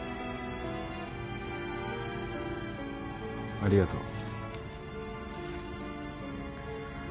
ありがとう。